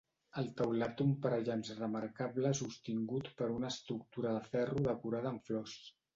El teulat té un parallamps remarcable sostingut per una estructura de ferro decorada amb flors.